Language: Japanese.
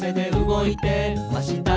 「動いてました」